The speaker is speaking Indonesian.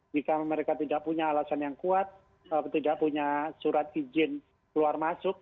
jika mereka tidak punya alasan yang kuat tidak punya surat izin keluar masuk